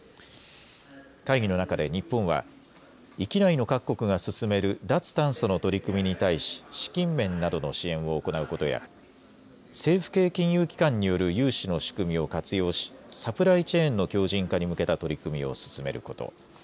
会議の中で日本は域内の各国が進める脱炭素の取り組みに対し資金面などの支援を行うことや政府系金融機関による融資の仕組みを活用しサプライチェーンの強じん化に向けた取り組みを進めること。